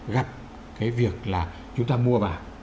gặp cái việc là chúng ta mua vào